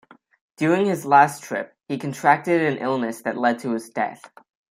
During his last trip he contracted an illness that led to his death.